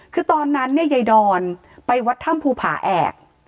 คือตอนนั้นใยดอนไปวัดถ้ำภูผ่าแอบ